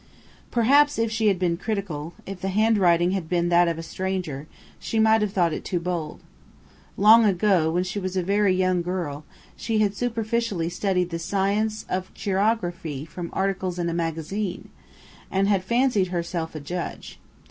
Perhaps if she had been critical if the handwriting had been that of a stranger she might have thought it too bold. Long ago, when she was a very young girl, she had superficially studied the "science" of chirography from articles in a magazine, and had fancied herself a judge.